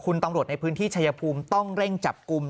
คุณตำรวจในพื้นที่ชายภูมิต้องเร่งจับกลุ่ม